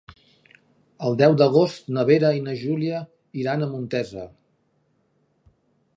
El deu d'agost na Vera i na Júlia iran a Montesa.